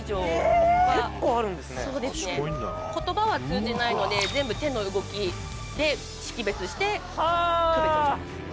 言葉は通じないので全部手の動きで識別して区別をしてます